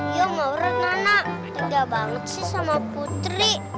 iya menurut nona tega banget sih sama putri